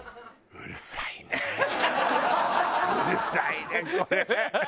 うるさいねこれ。